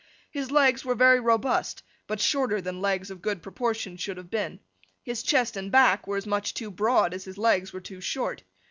His legs were very robust, but shorter than legs of good proportions should have been. His chest and back were as much too broad, as his legs were too short.